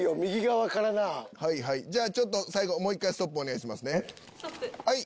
じゃあちょっと最後もう一回「ストップ」お願いしますね。